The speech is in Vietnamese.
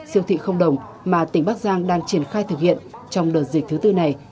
siêu thị không đồng mà tỉnh bắc giang đang triển khai thực hiện trong đợt dịch thứ tư này